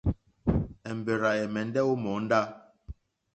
Èmbèrzà ɛ̀mɛ́ndɛ́ ó mòóndá.